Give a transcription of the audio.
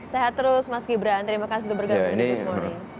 sehat terus mas gibran terima kasih sudah bergabung di good morning